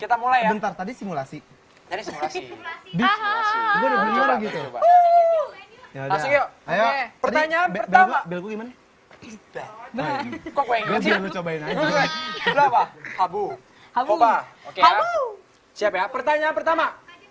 kita mulai antar tadi simulasi simulasi pertanyaan pertama coba siap ya pertanyaan pertama